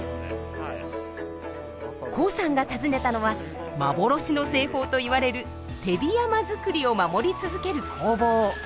コウさんが訪ねたのは幻の製法といわれる手火山造りを守り続ける工房。